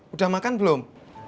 udah makan belum